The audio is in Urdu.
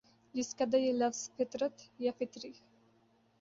جس قدر یہ لفظ فطرت یا فطری